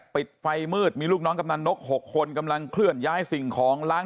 ปิดไฟมืดมีลูกน้องกำนันนก๖คนกำลังเคลื่อนย้ายสิ่งของล้าง